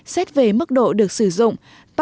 xét về mức độ được sử dụng